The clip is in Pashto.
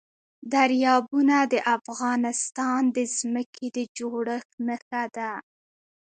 دریابونه د افغانستان د ځمکې د جوړښت نښه ده.